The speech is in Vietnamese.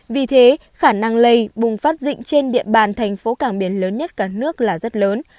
vì thế khả năng lây bùng phát dịch trên địa bàn thành phố cảng biển lớn nhất cả nước là rất lớn